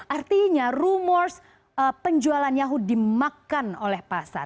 artinya rumors penjualan yahoo dimakan oleh pasar